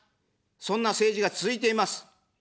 そんな政治が続いています。